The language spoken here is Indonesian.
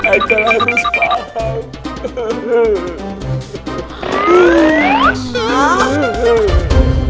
aja harus paham